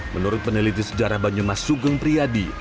menurut peneliti sejarah banyumas sugeng priyadi